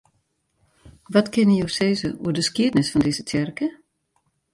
Wat kinne jo sizze oer de skiednis fan dizze tsjerke?